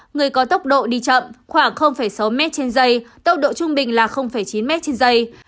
người có tốc độ đi chậm khoảng sáu m trên dây tốc độ trung bình là chín m trên dây